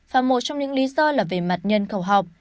và một trong những lý do là về mặt nhân khẩu học